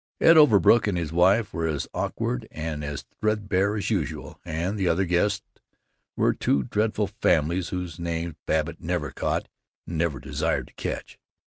Ed Overbrook and his wife were as awkward and threadbare as usual, and the other guests were two dreadful families whose names Babbitt never caught and never desired to catch.